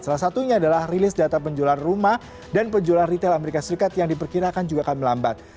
salah satunya adalah rilis data penjualan rumah dan penjualan retail amerika serikat yang diperkirakan juga akan melambat